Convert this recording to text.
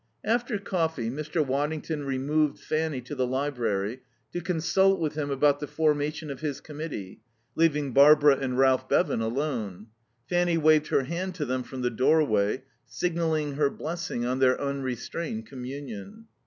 After coffee Mr. Waddington removed Fanny to the library to consult with him about the formation of his Committee, leaving Barbara and Ralph Bevan alone. Fanny waved her hand to them from the doorway, signalling her blessing on their unrestrained communion.